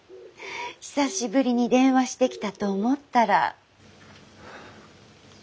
久しぶりに電話してきたと思ったら。